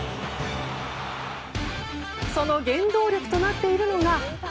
その原動力となっているのが。